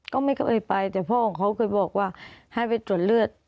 ก็ไม่เคยไปแต่พ่อของเขาเคยบอกว่าให้ไปตรวจเลือด